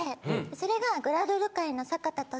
それが。